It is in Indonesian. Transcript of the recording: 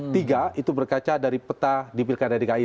tiga itu berkaca dari peta di pilkada dki